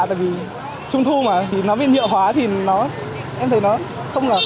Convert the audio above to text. tại vì trung thu mà thì nó bị nhựa hóa thì em thấy nó không được